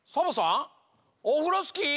オフロスキー！